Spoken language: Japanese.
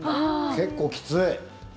結構きつい。